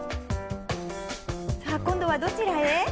さあ今度はどちらへ？